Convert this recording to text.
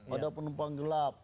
ada penumpang gelap